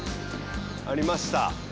ありました。